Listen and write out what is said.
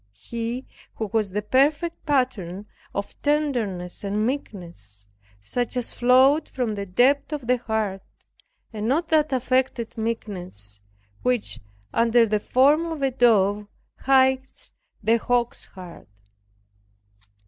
He who was the perfect pattern of tenderness and meekness, such as flowed from the depth of the heart, and not that affected meekness, which under the form of a dove, hides the hawk's heart.